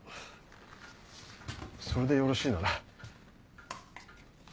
それでよろしいなら。